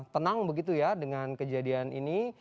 tenang begitu ya dengan kejadian ini